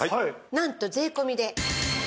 なんと税込で。